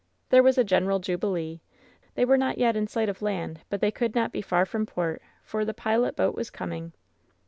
There was a general jubilee 1 They were not yet in sight of land, but they could not be far from port, for the pilot boat was coming!